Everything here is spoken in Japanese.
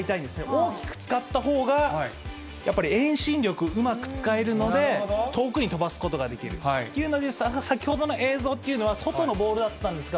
大きく使ったほうが、やっぱり遠心力うまく使えるので、遠くに飛ばすことができるということなので、先ほどの映像というのは、外のボールだったんですが、